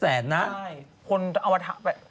ใช่คือคนเขาเหมาคนโจมตี